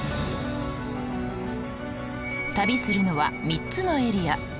旅するのは３つのエリア。